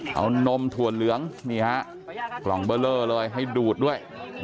เอานมถั่วเหลืองกล่องเบอร์โล่เลยให้ดูดด้วย